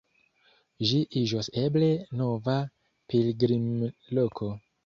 Ĝi iĝos eble nova pilgrimloko.